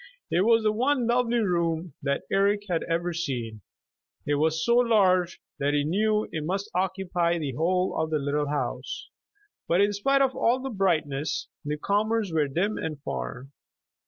It was the one lovely room that Eric had ever seen. It was so large that he knew it must occupy the whole of the little house. But in spite of all the brightness, the comers were dim and far.